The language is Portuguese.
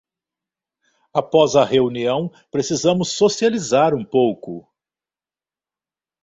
Após a reunião, precisamos socializar um pouco!